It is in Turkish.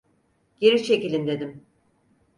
Geri çekilin dedim!